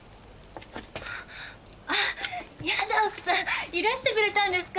あっやだ奥さんいらしてくれたんですか？